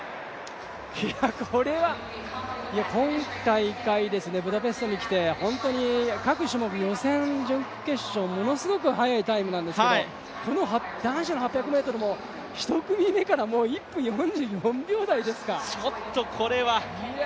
これは今大会、ブダペストに来て本当に各種目、予選・準決勝ものすごく速いタイムなんですけれども、この男子の８００ｍも１組目から１分４４秒台ですか。